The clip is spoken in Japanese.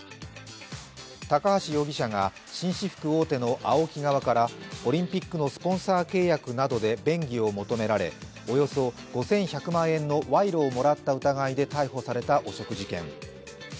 高橋容疑者が紳士服大手のＡＯＫＩ側からオリンピックのスポンサー契約などで便宜を求められおよそ５１００万円の賄賂をもらった疑いで逮捕された汚職事件。